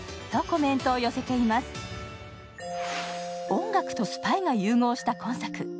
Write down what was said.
音楽とスパイが融合した今作。